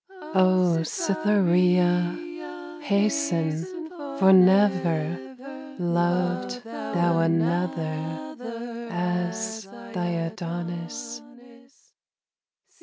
O Cytherea, Hasten, for never Loved thou another As thy Adonis.